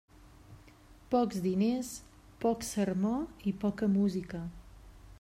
Pocs diners, poc sermó i poca música.